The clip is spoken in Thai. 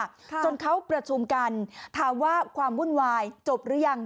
ค่ะจนเขาประชุมกันถามว่าความวุ่นวายจบหรือยัง